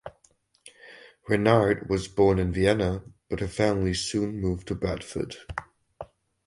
Reynard was born in Vienna but her family soon moved to Bradford.